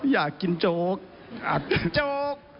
อยากกินโจ๊ก